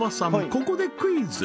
ここでクイズ